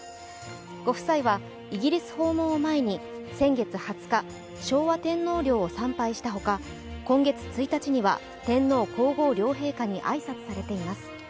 ご夫妻はイギリス訪問を前に先月２０日、昭和天皇陵を参拝したほか、今月１日には天皇皇后両陛下に挨拶されています。